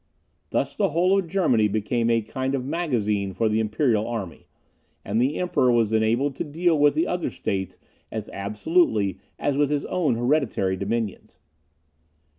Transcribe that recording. Thus the whole of Germany became a kind of magazine for the imperial army, and the Emperor was enabled to deal with the other states as absolutely as with his own hereditary dominions.